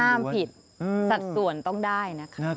ห้ามผิดสัดส่วนต้องได้นะคะ